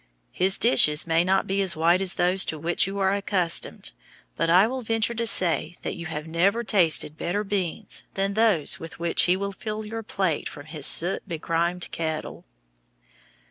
His dishes may not be as white as those to which you are accustomed, but I will venture to say that you have never tasted better beans than those with which he will fill your plate from his soot begrimed kettle.